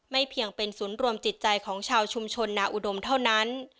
เพียงเป็นศูนย์รวมจิตใจของชาวชุมชนนาอุดมเท่านั้น